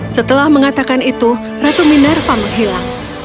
setelah mengatakan itu ratu minerva menghilang